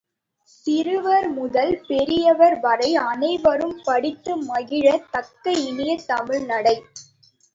சிறுவர் முதல் பெரியவர் வரை அனைவரும் படித்து மகிழத் தக்க இனிய தமிழ் நடை.